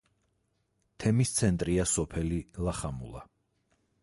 თემის ცენტრია სოფელი ლახამულა.